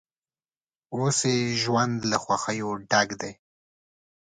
اوس یې ژوند له خوښیو ډک دی.